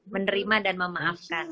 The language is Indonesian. menerima dan memaafkan